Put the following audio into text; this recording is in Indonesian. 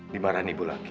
dimarahi ibu lagi